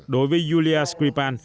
đối với yulia skrifan